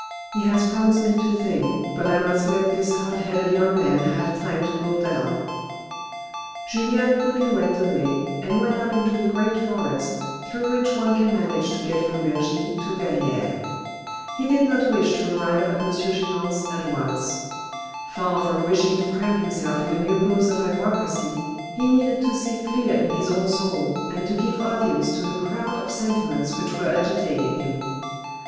He has promised me tothing, but I must let this hot headed young man have time ocool down." Julien quickly went away, and went up into the great forest, through which one can manage to get from Vergy to Verrieres. A GREAT HEART AND A SMALL FORTUNE 65 He did not wish to arrive at M. Chelan's at once. Far from wishing to cramp himself in a new pose of hypocrisy he needed to see clear in his own soul, and to give audience to the crowd of sentiments which were agitating him.